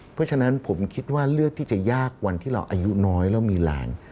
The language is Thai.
เพราะฉะนั้นผมคิดว่าเลือกที่จะยากวันที่เราอายุน้อยแล้วมีแรง